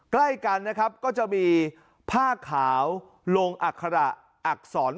ใกล้กันนะครับก็จะมีผ้าขาวลงอักษรธรรมอีสาน